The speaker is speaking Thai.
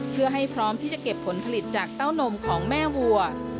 เพื่อให้พร้อมที่จะเก็บผลผลิตจากเต้านมของแม่วัว